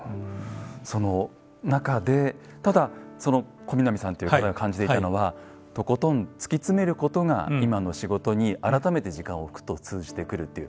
その中でただその小南さんという方が感じていたのはとことん突きつめることが今の仕事に改めて時間を置くと通じてくるっていう